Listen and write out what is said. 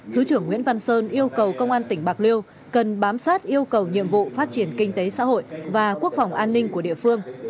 thứ trưởng nguyễn văn sơn yêu cầu công an tỉnh bạc liêu cần bám sát yêu cầu nhiệm vụ phát triển kinh tế xã hội và quốc phòng an ninh của địa phương